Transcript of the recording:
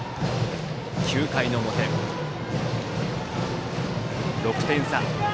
９回の表、６点差。